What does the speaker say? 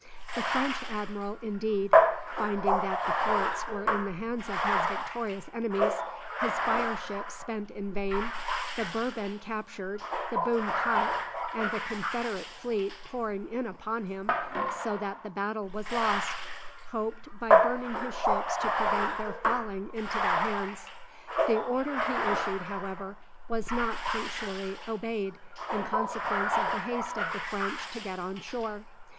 The French admiral, indeed, finding that the forts were in the hands of his victorious enemies, his fire ship spent in vain, the "Bourbon" captured, the boom cut, and the confederate fleet pouring in upon him, so that the battle was lost, hoped by burning his ships to prevent their falling into their hands. The order he issued, however, was not punctually obeyed, in consequence of the haste of the French to get on shore.